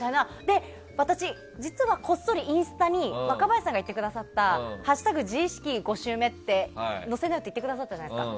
私、実はこっそりインスタに若林さんが言ってくださった「＃自意識５周目」って載せなよって言ってくださったじゃないですか。